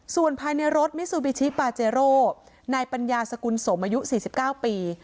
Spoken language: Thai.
ส่วนภายในรถมิซูบิชิปาเจโร่นายปัญญาสกุลสมอายุ๔๙ปี